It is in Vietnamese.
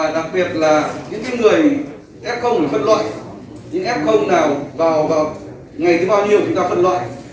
đặc biệt là những người f phải phân loại những f nào vào vào ngày thứ bao nhiêu chúng ta phân loại